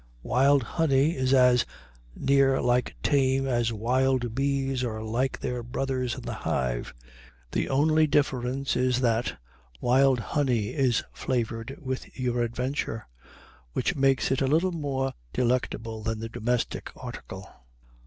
Wild honey is as near like tame as wild bees are like their brothers in the hive. The only difference is, that wild honey is flavored with your adventure, which makes it a little more delectable than the domestic article.